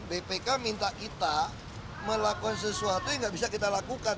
bpk minta kita melakukan sesuatu yang nggak bisa kita lakukan